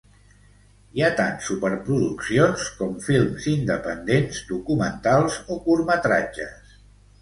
Hi ha tant superproduccions com films independents, documentals o curtmetratges.